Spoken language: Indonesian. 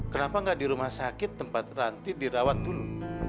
kenapa nggak di rumah sakit tempat ranti dirawat dulu